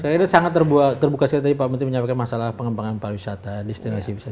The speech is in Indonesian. saya kira sangat terbuka sekali tadi pak menteri menyampaikan masalah pengembangan pariwisata destinasi wisata